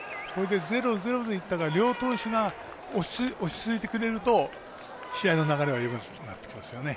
ゼロ、ゼロでいったら両投手が落ち着いてくれると試合の流れはよくなってきますよね。